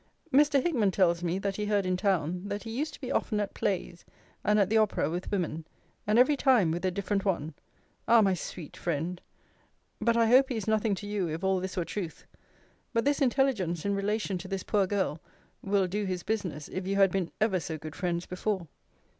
Mr. Hickman tells me, that he heard in town, that he used to be often at plays, and at the opera, with women; and every time with a different one Ah! my sweet friend! But I hope he is nothing to you, if all this were truth. But this intelligence, in relation to this poor girl, will do his business, if you had been ever so good friends before.